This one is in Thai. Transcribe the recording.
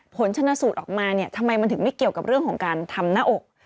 ผลชนะสูตรออกมาเนี่ยทำไมมันถึงไม่เกี่ยวกับเรื่องของการทำหน้าอก